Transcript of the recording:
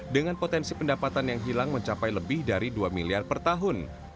dengan potensi pendapatan yang hilang mencapai lebih dari dua miliar per tahun